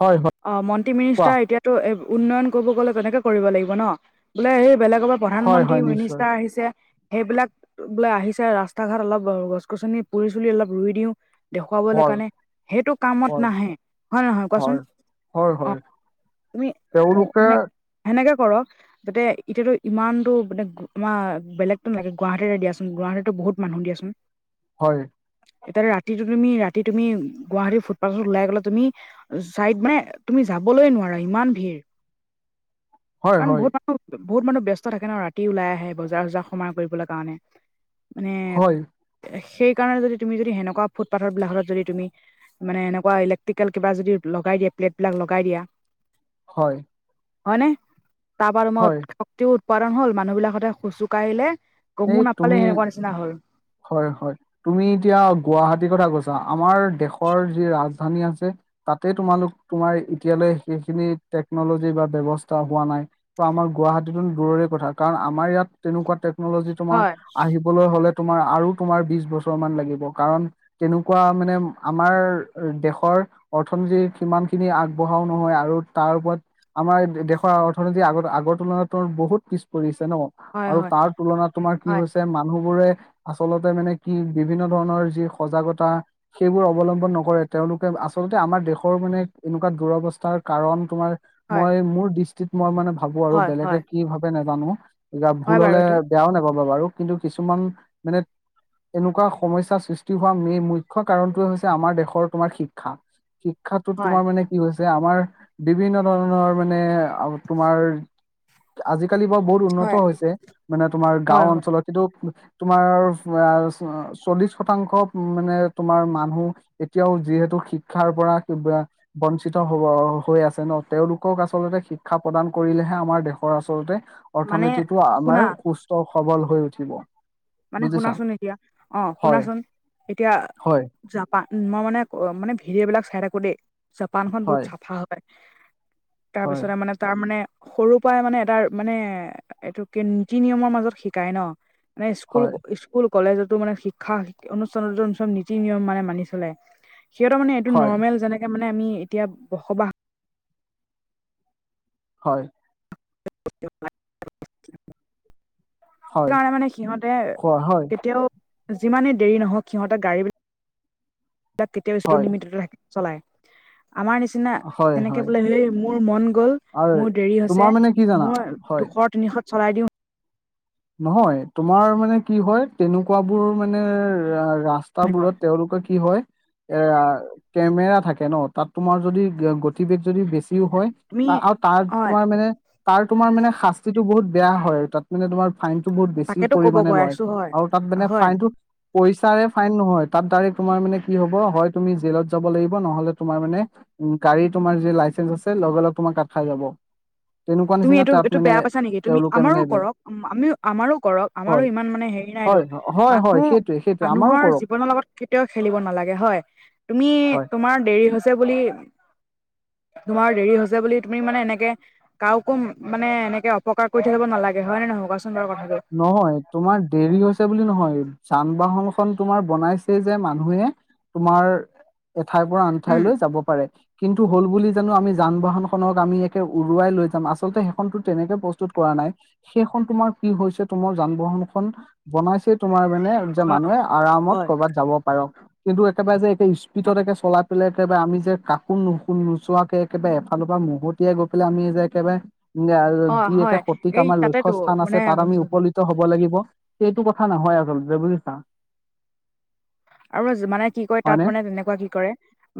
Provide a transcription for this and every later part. হয়, হয়। অঁ, মন্ত্ৰী, কোৱা মিনিষ্টাৰ এতিয়াটো উন্নয়ন ক'ব গ'লে তেনেকে কৰিব লাগিব ন'? বোলে সেই বেলেগৰ পা হয় প্ৰধানমন্ত্ৰী, হয় নিশ্চয় মিনিষ্টাৰ আহিছে সেইবিলাক বোলে আহিছে, ৰাস্তা-ঘাট অলপ গ-গছ-গছনি, পুলি-চুলি অলপ ৰুই দিওঁ দেখুৱাবলে হয় কাৰণে, সেইটো কামত হয় নাহে, হয় নহয় কোৱাচোন? হয় অঁ, হয় তুমি ওঁ তেওঁলোকে সেনে-সেনেকে কৰক। যাতে এতিয়াটো ইমানটো মানে গ আমাৰ বেলেগতো নালাগে গুৱাহাটীতে দিয়াচোন, গুৱাহাটীতো বহুত মানুহ দিয়াচোন। হয়। এতিয়াটো ৰাতিটো তুমি, ৰাতি তুমি, গুৱাহাটী ফুদপাথত ওলাই গ'লে তুমি চাইড মানে এ তুমি যাবলৈৱে নোৱাৰা ইমান ভিৰ, হয় কাৰণ হয় বহুত মান আৰু বহুত মানুহ ব্যস্ত থাকে ন', ৰাতি ওলাই আহে, বজাৰ-চজাৰ সমাৰ কৰিবলে কাৰণে। মানে, হয় সেইকাৰণে যদি তুমি যদি সেনেকুৱা ফুথ-পাথৰ বোলাখনত যদি তুমি মানে এনেকুৱা ইলেক্ট্ৰিকেল কিবা যদি লগাই দিয়ে, প্লেটবিলাক লগাই দিয়া। হয়। হয় নে? তাৰপৰা হয় ৰোমত টিও উৎপাদন হ'ল, মানুহ বিলাক সদায় খোজোঁ কাঢ়িলে। এই তুমি, হয় হয়, তুমি এতিয়া গুৱাহাটীৰ কথা কৈছা? ছা আমাৰ দেশৰ যি ৰাজধানী আছে তাতেই তোমালোক, তোমাৰ এতিয়ালৈ সেইখিনি টেকনলজি বা ব্যৱস্থা হোৱা নাই। ত' আমাৰ গুৱাহাটীতো দূৰৰে কথা, কাৰণ আমাৰ ইয়াত তেনেকুৱা টেকনলজি তোমাৰ হয় আহিব বলৈ হ'লে তোমাৰ আৰু তোমাৰ বিশ বছৰ মান লাগিব, কাৰণ তেনেকুৱা মানে আমাৰ দেশৰ অৰ্থনীতিৰ সিমানখিনি আগবঢ়াও নহয়, আৰু তাৰ ওপৰত আমাৰ দেশৰ অৰ্থনীতি আগত আগৰ তুলনাত ত' বহুত পিছপৰি আছে ন'? হয়, আৰু হয়। তাৰ তুলনাত তোমাৰ কি হয় হৈছ তে মানুহবোৰে আচলতে মানে কি, বিভিন্ন ধৰণৰ যি সজাগতা সেইবোৰ অৱলম্বন নকৰে, তেওঁলোকে, আচলতে আমাৰ দেশৰ মানে এনেকুৱা দুৰৱস্থাৰ কাৰণ তোমাৰ হয় মই মোৰ দৃষ্টিত মই মানে ভাৱোঁ আৰু হয় বেলেগে হয় কি ভাৱে নেজানো, এতিয়া হয় ভূল বাৰু হ'লে এইটো বেয়াও নাপাবা বাৰু কিন্তু কিছুমান মানে এনেকুৱা সমস্যাৰ সৃষ্টি হোৱা মেই-মুখ্য কাৰণটোৱে হৈছে আমাৰ দেশৰ তোমাৰ শিক্ষা। শিক্ষাটো হয় তোমাৰ মানে কি হৈছে, আমাৰ বিভিন্ন ধৰণৰ মানে আ তোমাৰ আজিকালি বাৰু বহুত হয় উন্নত হৈছে, মানে তোমাৰ হয় গাওঁ হয় অঞ্চলত কিন্তু তোমাৰ আ-চ, চল্লিশ শতাংশ মানে তোমাৰ মানুহ এতিয়াও যিহেতু শিক্ষাৰ পৰা কিবা বঞ্চিত হ'ব হৈ আছে ন', তেওঁলোকক আচলতে শিক্ষা প্ৰদান কৰিলেহে আমাৰ দেশৰ আচলতে মানে অৰ্থনীতিটো শুনা আমাৰ সুস্থ সৱল হৈ উঠিব। মানে বুজিছা শুনাচোন এতিয়া, অ', হয় শুনাচোন, এতিয়া হয় জাপা মই মানে ক অ', মানে, ভিডিঅ' বিলাক চাই থাকোঁ‌ দেই, জাপান খন বহুত হয় চাফা হপায়। হয় তাৰপিছতে মানে তাৰ মানে সৰুৰ পৰাই মানে এটাৰ মানে, এইটো কি, নীতি নিয়মৰ মাজত শিকায় ন', মানে স্কু কুল, হয় স্কুল, কলেজটো, মানে শিক্ষা অনুষ্ঠানটো চব নীতি-নিয়ম মানে মানি চলে। সিহঁতৰ মানে এইটো হয় নৰ্মেল যেনেকে মানে আমি এতিয়া বসবাস হয়। [unintelligible] হয় সেইকাৰণে মানে সিহঁতে হয় কেতিয়াও যিমানে দেৰি নহওঁক সিহঁতে গাড়ীবি লাক কেতিয়া হয় [unintelligible] চলাই, আমাৰ নিচ নিচিনা হয় হয় তেনেকে হয় বোলে সেই মোৰ মন গ'ল আৰু মোৰ দেৰি হৈছে তোমাৰ মানে কি জানা মই হয় দুশ তিনিশত চলাই দিওঁ। নহয় তোমাৰ মানে কি হয় তেনেকুৱাবোৰ মানে ৰা ৰাস্ত আহিব তাবোৰত তেওঁলোকৰ কি হয় এ ৰা কেমেৰা থাকে ন, তাত তোমাৰ যদি গতিবেগ যদি বেছ দিও হয় তুমি তা আও তাৰ হয় তোমাৰ মানে তাৰ তোমাৰ মানে শাস্তিটো বহুত বেয়া হয়। তাত মানে তোমাৰ ফাইনটো বহুত বেছি তাকেতো ক'ব পৰিমাণে গৈ লয় আছো হয় আৰু তাত মানে হয় ফাইনটো পইচাৰে ফাইন নহয় তাত ডাইৰেক্ট তোমাৰ মানে কি হ'ব হয় তুমি জেলত যাব লাগিব নহ'লে তোমাৰ মানে উম, গাড়ী তোমাৰ যি লাইচেঞ্চ আছে লগে লগে তোমাৰ কাট খাই যাব। তেনেকুৱা তুমি নিচিনা এইটো তাত এইটো মানে বেয়া পাইছা নেকি তুমি, তেওঁলোকে আমাৰো মানে কৰক আমিও আমাৰো কৰক। হয় আমাৰো ইমান মানে হেৰি নাইতো হয় হয় হয় মানুহ সেইটোৱে সেইটোৱে আমাৰো মানুহৰ কৰক জীৱনৰ লগত কেতিয়াও খেলিব নালাগে হয়, তুমি হয় তোমাৰ দেৰি হৈছে বুলি তোমাৰ দেৰি হৈছে বুলি তুমি মানে এনেকে কা'কোম মানে এনেকে অপকাৰ কৰি থাকিব নালাগে হয়নে নহয় কোৱাচোন বাৰু কথাটো? নহয় তোমাৰ দেৰি হৈছে বুলি নহয় যান-বাহনখন তোমাৰ বনাইছে যে মানুহে তোমাৰ এঠাইৰ পৰা আন উম ঠাইলৈ যাব পাৰে। কিন্তু হ'ল বুলি জানো আমি যান-বাহনখনক আমি একে উৰুৱাই লৈ যাম। আচলতে সেইখনতো তেনেকে প্ৰস্তুত কৰা নাই। সেইখন তোমাৰ কি হৈছে তোমাৰ যান-বাহনখন বনাইছে তোমাৰ মানে যে হয় মানুহে আৰামত হয় কৰ'বাত যাব পাৰক। কিন্তু একেবাৰে যে একে স্পীডত হয় একে চলাত পেলে তে আমি যে কাকো নুশু নোচোৱাকে একেবাৰে এফালৰ পৰা মহতিয়াই গৈ পেলাই আমি যে একেবাৰে নে অ', [unintelligible] যি হয় একে সতিক এই আমাৰ তাতেতো লক্ষ্যস্থান আছে মানে পীত হ'ব লাগিব, সেইটো কথা নহয় আচলতে বুজিছা। আৰু যিমানে কি কৰে তাত হয়নে মানে তেনেকুৱা কি কৰে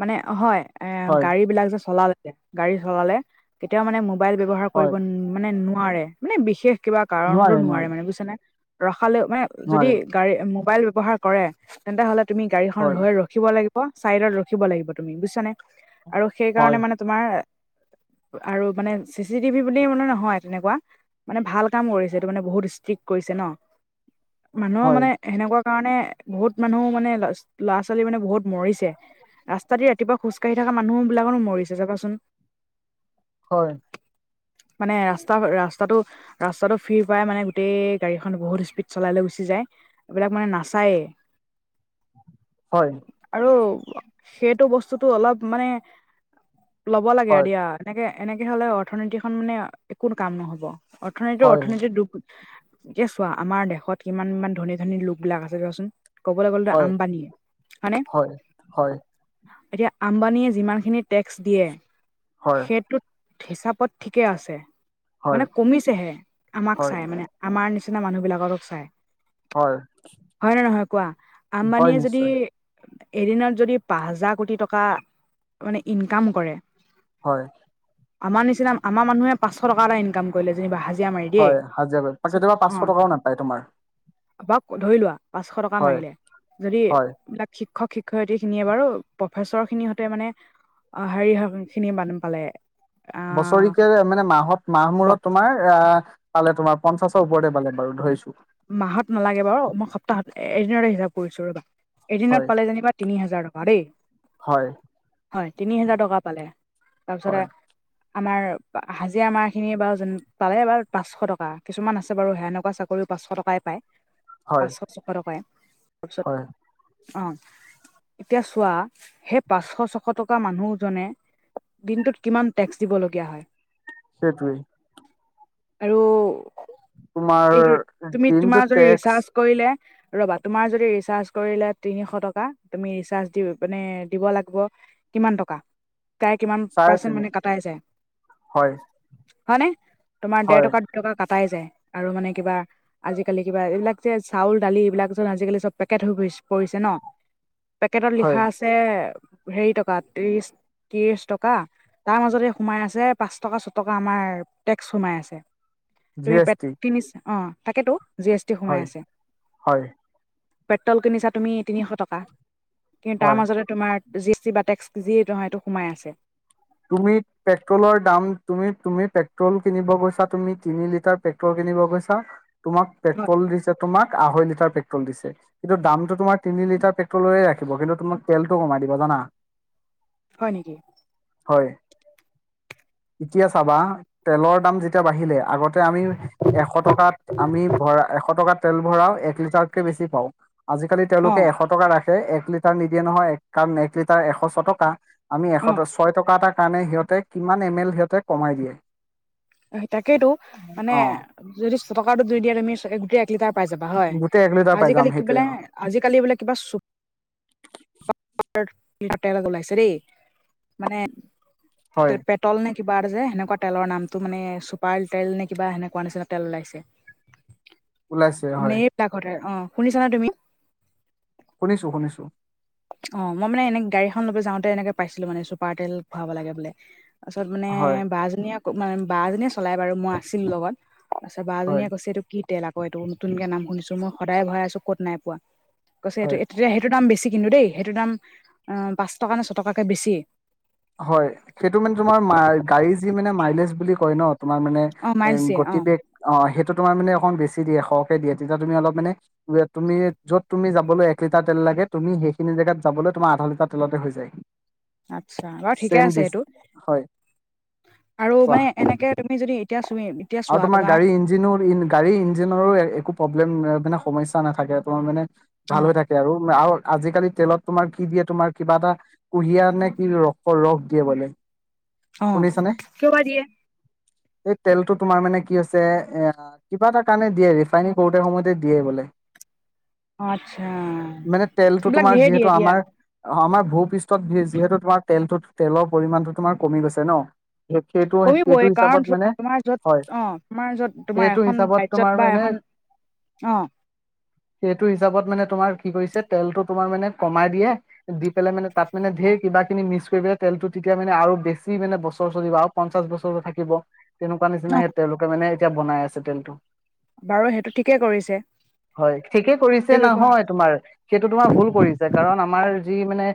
মানে হয় এ হয় গাড়ীবিলাক যে চলালে গাড়ী চলালে কেতিয়াও মানে মোবাইল ব্যৱহাৰ কৰিব হয় মানে নোৱাৰে মানে বিশে কিবা কাৰণো নোৱাৰে মানে বুজিছা নে ৰখালৈ মানে যদি নোৱাৰে গাড়ী মোবাইল ব্যৱহাৰ কৰে তেন্তে হ'লে তুমি গাড়ীখন হয় ৰৈ ৰ খিব লাগিব চাইডত ৰখিব লাগিব তুমি বুজিছানে আৰু সেইকাৰণে হয় মানে তোমাৰ আৰু মানে চি চি টিভি বুলি মানে নহয় তেনেকুৱা মানে ভাল কাম কৰিছে এইটো মানে বহুত ষ্ট্ৰিক্ট কৰিছে ন? মানুহৰ হয় মানে সেনেকুৱা কাৰণে বহুত মানুহও মানে ল'ৰা-ছোৱালী মানে বহুত মৰিছে। ৰাস্তা দি ৰাতিপুৱা খোজ কাঢ়ি থকা মানুহবিলাকনো মৰিছে চাবাচোন। হয়। মানে ৰাস্তা ৰাস্তাটো ৰাস্তাটো ফিৰ পাই মানে গোটেই গাড়ীখন বহুত স্পীড চলাই লৈ গুচি যায়, এইবিলাক মানে নাচায়ে। হয়। আৰু সেইটো বস্তুটো অলপ মানে ল'ব লাগে আৰু হয় দিয়া। এনেকে এনেকে হ'লে অৰ্থনীতি খন মানে একো কাম নহ'ব, অৰ্থনীতি অৰ্থনীতি দুখ- এতিয়া চোৱা আমাৰ দেশত কিমান ইমান ধনী ধনী লোক বিলাক আছে চোৱাচোন। কবলে গ'লেতো হয় আম্বানী, হয়নে? হয় হয় হয় এতিয়া আম্বানীয়ে যিমানখিনি টেক্স দিয়ে, হয় সেইটোত- হিচাপত ঠিকেই আছে, মানে হয় কমিছেহে আমাক হয় চাই মানে। আমাৰ নিচিনা মানুহবিলাকৰক চায়। হয়। কোৱা? হয় আম্বানীয়ে যদি- নিশ্চয় এদিনত যদি পাঁচ হাজাৰ কোটি টকা মানে ইনকাম কৰে- হয়। আমাৰ নিচিনা আমাৰ মানুহে পাঁচশ টকা ইনকাম কৰিলে যেনিবা হাজ- জিয়া মাৰি দিয়ে, হয় হাজিৰা কৰি তাপিছত কেতিয়াবা পাঁচশ অঁ টকাও নাপায় তোমাৰ বাও ধৰি লোৱা পাঁচশ টক- কা হয় মাৰিলে, যদি হয় এইবিলাক শিক্ষক শিক্ষত্ৰী খিনিয়ে বাৰু প্ৰফেচৰ খিনি হতে মানে- অ হেৰি খিনি বান পালে। আহ বছৰিকে মানে মাঁহত মাহ মূৰত তোমাৰ আহ- পালে তোমাৰ পঞ্চাশৰ ওপৰতে পালে বাৰু ধৰিছো। মাঁহত নালাগে বাৰু, মই সপ্তাহত এদিনতে হিচাপ কৰিছো ৰবা, হয় এদিনত পালে যেনিবা- তিনি হাজাৰ টকা দেই। হয়। হয়, তিনি হাজাৰ টকা পালে, তাৰপিছতে- হয় আমাৰ হাজিৰা আমাৰ খিনি বাৰু যেন পালে বাৰু পাঁচশ টকা, কিছুমান আছে বাৰু সেনেকুৱা চাকৰি- পাঁচশ টকাই পায়, হয় পাঁচশ ছশ টকাই। তাৰপিছত হয় অঁ- এতিয়া চোৱা, সেই পাঁচশ ছশ টকা মানুহজনে- দিনটোত কিমান টেক্স দিবলগীয়া হয়? সেইটোয়েই। আৰু- এইটো তোমাৰ- তুমি দিনটো তোমাৰ যদি টেক্স ৰিচাৰ্চ কৰিলে- ৰবা, তোমাৰ যদি ৰিচাৰ্জ কৰিলে তিনিশ টকা তুমি ৰিচাৰ্জ দি মানে দিব লাগিব- কিমান টকা? প্ৰাই কিমান চাৰে পাৰ্চেন তিনি মানে কাটাই যায়, হয় হয়নে? তোমাৰ দেৰ হয় টকাত- টকা কটাই যায়, আৰু মানে কিবা- আজিকালি কিবা এইবিলাক যে চাউল দালি এইবিলাক চোন আজিকালি চব পেকেট হৈ পৰিছে ন। পেকেটত হয় লিখা আছে হেৰি টকা ত্ৰিশ ত্ৰিশ টকা। তাৰ মাজতে সোমাই আছে পাঁচ টকা ছ টকা আমাৰ টেক্স সোমাই আছে। জি তুমি এছ পেত টি নিচ অঁ তাকেতো, জি এছ টি সোমাই হয় আছে। হয় পেট্ৰল কিনিছা তুমি তিনিশ টকা, কিন্তু তাৰ হয় মাজতে- তোমাৰ জি এছ টি বা টেক্স যি নহয় এইটো সোমাই আছে। তুমি পেট্ৰলৰ দাম তুমি তুমি পেট্ৰল কিনিব গৈছা তুমি তিনি লিটাৰ- পেকট্ৰল কিনিব গৈছা, তোমাক হয় পেট্ৰল দিছে তোমাক আঢ়ৈ লিটাৰ পেট্ৰল দিছে। কিন্তু দামটো তোমাৰ তি লিটাৰ পেট্ৰলেৰে ৰাখিব, কিন্তু তুমাক তেলটো কমাই দিব জানা। হয় নেকি? হয়, এতিয়া চাবা তেলৰ দাম যেতিয়া বাঢ়িলে আগত- তাতে আমি এশ টকাত আমি ভৰা এশ টকাত- তেল ভৰাওঁ এক লিটাৰতকে বেছি পাওঁ, আজি কালি অ তেওঁলোকে এশত- এটকাৰ ৰাখে একলিটাৰ নিদিয়ে নহয় এক কাৰণ একলিটাৰ এশ ছটকা আমি এশ অ দহ ছয় টকা এটাৰ কাৰণে সিহঁতে কিমান এম এল সিহঁতে কমাই দিয়ে। সেই তাকেইতো মানে অ যদি ছয়টকাটো দি দিয়া তুমি গোটেই এক লিটাৰ পাই যাবা হয় গোটেই এক লিটাৰ পাই যাম আজিকালি কি সেইটোৱে বোলে। অ আজিকালি বোলে কিবা চ [unintelligible] ওলাইছে দেই মানে হয় [unintelligible] তল নে কিবা এটা যে সেনেকুৱা তেলৰ নামটো মানে চুপাৰ তেল নে কিবা সেনেকুৱা নিচিনা তেল ওলাইছে। ওলাইছে হয় [unintelligible] অ শুনিছা নে তুমি শুনিছো শুনিছো অ মই মানে এনে গাড়ীখন লব যাওঁতে এনেকে পাইছিলো মানে চুপাৰ তেল খোৱাব লাগে বোলে তাৰপিছত মানে হয় বাজনীয়ে মানে বাজনীয়ে চলাই বাৰু মই আছিলো লগত আচ্ছা বা হয় বাজনীয়ে কৈছে এইটো কি তেল আকৌ এইটো নতুনকে নাম শুনিছো মই সদায় ভৰাই আছো ক'ত নাই পোৱা। কৈছে সেইটো হয় তেতিয়া সেইটো দাম বেছি কিন্তু দেই সেইটো দাম অ পাঁচ টকা নে ছয় টকাকে বেছি হয় সেইটো মানে তোমাৰ মা গাড়ী যি মানে মাইলেজ বুলি কয় ন তোমাৰ মানে অ' এ মাইলছ দিয়ে অ' গতিবেগ অ সেইটো তোমাৰ মানে অকণ বেছি দিয়ে সৰহকে দিয়ে তেতিয়া তুমি অলপ মানে তুমি য'ত তুমি যাবলৈ এক লিটাৰ তেল লাগে তুমি সেইখিনি জেগাত যাবলৈ তোমাৰ আধা লিটাৰ তেলতে হৈ যায় আচ্ছা বাৰু ঠিকে চেম আছে ডিচ সেইটো হয় আৰু কোৱা মানে এনেকে তুমি যদি এতিয়া চুমি আৰু তোমাৰ গাড়ী ই ইঞ্জিনো গাড়ী ইঞ্জিনৰ একো প্ৰব্লেম মানে সমস্যা নাথাকে তোমাৰ মানে ভাল অ' হৈ থাকে থাকে আৰু আৰু আজিকালি তেলত তোমাৰ কি দিয়ে তোমাৰ কিবা এটা কুঁহিয়া নে কি ৰসৰ ৰস দিয়ে বোলে অ' শুনিছানে কিয় বা দিয়ে এই তেল ত তোমাৰ মানে কি হৈছে এ কিবা এটা কাৰণে দিয়ে ৰিফাইনি কৰোতে সময়তে দিয়ে বোলে অ' আচ্ছা মানে তেলটো এইবিলাক তোমাৰ ধেৰ যিহেতু দিয়ে দিয়া। আমাৰ অ আমাৰ ভূপৃষ্ঠত যিহেতু তোমাৰ তেলটো তেলৰ পৰিমাণটো তোমাৰ কমি গৈছে ন সেইটো কমিবই সেইটো কাৰণ হিচাপত মানে তোমাৰ অ হয় তোমাৰ যত তোমাৰ সেইটো এখন হিচাপত তোমাৰ ৰাজ্যত বা মানে এখন অ সেইটো হিচাপত মানে তোমাৰ কি কৰিছে তেলটো তোমাৰ মানে কমাই দিয়ে দি পেলাই মানে তাত মানে ঢেৰ কিবাকিবি মিক্স কৰি পেলাই তেলটো তেতিয়া মানে আৰু বেছি মানে বছৰ চলিব আও পঞ্চাছ বছৰ থাকিব তেনেকুৱা অ নিচিনাই সেই তেওঁলোকে মানে এতিয়া বনাই আছে তেলটো বাৰু সেইটো ঠিকেই কৰিছে হয় ঠিকে কৰিছে সেইটো ব্যৱহাৰ নহয় তোমাৰ। সেইটো তোমাৰ ভুল কৰিছে কাৰণ আমাৰ যি মানে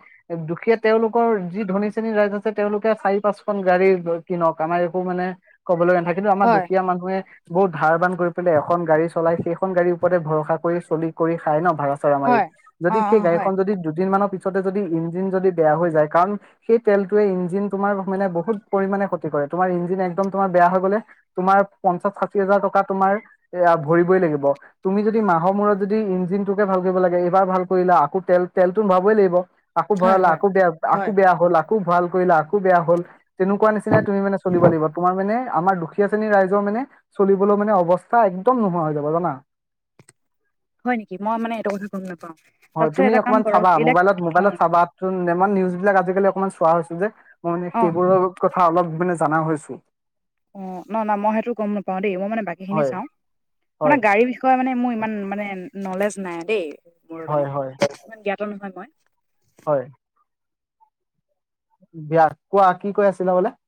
দুখীয়া তেওঁলোকৰ যি ধনী শ্ৰেণী ৰাইজ আছে তেওঁলোকে চাৰি পাঁচখন গাড়ী কিনক আমাৰ একো মানে ক'বলৈ নাই কিন্তু আমাৰ হয় দুখীয়া মানুহে বহুত ধাৰ বান কৰি পেলাই এখন গাড়ী চলাই সেইখন গাড়ী ওপৰতে ভৰসা কৰি চলি কৰি খাই ন ভাড়া চাড়া মাৰি হয় যদি অ অ সেই হয় গাড়ীখন যদি দুদিন মানৰ পি পিছতেই যদি ইঞ্জিন যদি বেয়া হৈ যায় কাৰণ সেই তেলটোৱে ইঞ্জিন তোমাৰ মানে বহুত পৰিমাণে ক্ষতি কৰে তোমাৰ ইঞ্জিন একদম তোমাৰ বেয়া হৈ গলে তোমাৰ পঞ্চাছ ষাঠি হাজাৰ টকা তোমাৰ এ ভৰিবই লাগিব তুমি যদি মাহৰ মূৰত যদি ইঞ্জিনটোকে ভাল কৰিব লাগে এইবাৰ ভাল কৰিলা আকৌ তেল তেলটো ভৰাবই লাগিব আাকৌ হয় ভৰালা হয় আকৌ বেয়া হয় আকৌ বেয়া হ'ল আকৌ ভাল কৰিলা আকৌ বেয়া হ'ল তেনেকুৱা নিচিনাই তুমি মানে চলিব লাগিব। তোমাৰ মানে আমাৰ দুখীয়া শ্ৰেণীৰ ৰাইজৰ মানে চলিবলৈ মানে অৱস্থা একদম নোহোৱা হৈ যাব জানা [unintelligible] হয় নেকি, মই মানে এইটো কথা গম নাপাওঁ, হয় তাৰপিছত এটা কাম কৰক এইবিলাক অঁ। ত নেমান নিউজবিলাক আজিকালি অকমান চোৱা হৈছো যে, মই মানে অ সেইবোৰৰ কথা অলপ মানে জানা হৈছো। অঁ নহ নহ মই সেইটো গম নাপাও দেই মই মানে বাকীখিনি হয় চাওঁ, মানে হয় গাড়ী বি কয় মানে মোৰ ইমান মানে নলেজ নাই দেই মোৰ হয় মানে হয় ইমান জ্ঞাত নহয় মই। হয়। বিয়া কোৱা কি কৈ আছিলা বোলে।